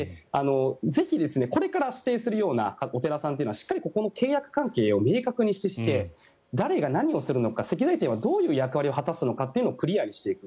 ぜひ、これから指定するようなお寺さんはしっかりここの契約関係を明確にして誰が何をするのか石材店はどういう役割を果たすのかというのをクリアにしていく。